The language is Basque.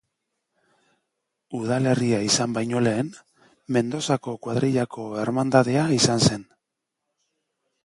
Udalerria izan baino lehen, Mendozako kuadrillako ermandadea izan zen.